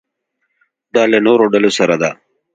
دا له نورو ډلو سره ده.